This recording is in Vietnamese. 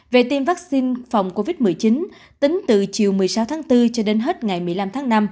về tiêm vaccine phòng covid một mươi chín tính từ chiều một mươi sáu tháng bốn cho đến hết ngày một mươi năm tháng năm